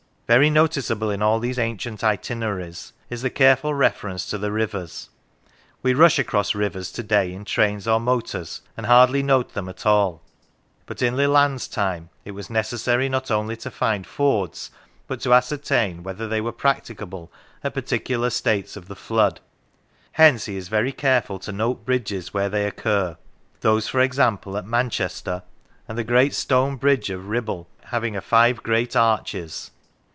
Very noticeable in all these ancient itineraries is the careful reference to the rivers. We rush across rivers to day in trains or motors and hardly note them at all. But in Leland's time it was neces sary not only to find fords, but to ascertain whether they were practicable at particular states of the flood. Hence he is very careful to note bridges where they occur; those, for example, at Manchester, and "the great stone bridge of Kibble having a five great arches."